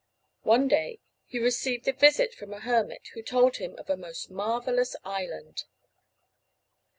One day he received a visit from a hermit who told him of a most marvelous island.